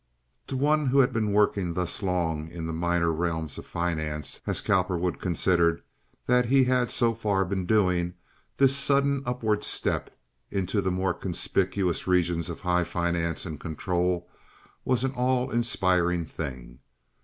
To one who had been working thus long in the minor realms of finance, as Cowperwood considered that he had so far been doing, this sudden upward step into the more conspicuous regions of high finance and control was an all inspiring thing.